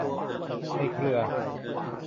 ในเครือ